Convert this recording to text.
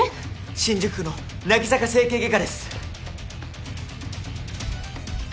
新宿区のなぎさか整形外科です！